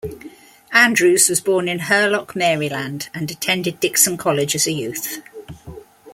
Andrews was born in Hurlock, Maryland, and attended Dixon College as a youth.